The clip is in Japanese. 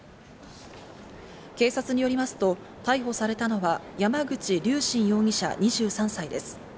警察によりますと、逮捕されたのは山口龍真容疑者、２３歳です。